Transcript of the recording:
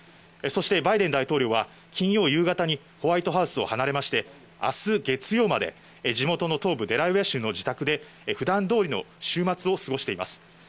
そして、バイデン大統領は金曜夕方にホワイトハウスを離れまして、あす月曜まで、地元の東部デラウェア州の自宅で、ふだんどおりの週末を過ごしています。